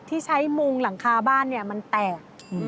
ที่ใช้มุงหลังคาบ้านมันแตก